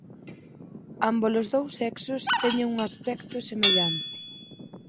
Ámbolos dous sexos teñen un aspecto semellante.